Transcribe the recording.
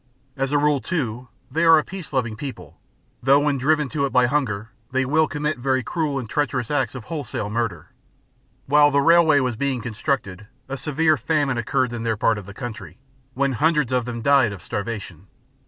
As a rule, too, they are a peace loving people, though when driven to it by hunger they will commit very cruel and treacherous acts of wholesale murder. While the railway was being constructed, a severe famine occurred in their part of the country, when hundreds of them died of starvation.